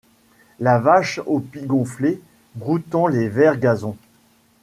La vache au pis gonflé broutant les verts gazons